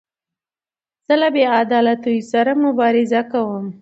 زه له بې عدالتیو سره مبارزه کوم.